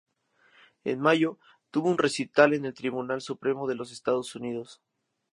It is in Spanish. En mayo, tuvo un recital en el Tribunal Supremo de los Estados Unidos.